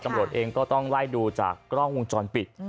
ต้องต้องไล่ดูจากกล้องวงจรปิด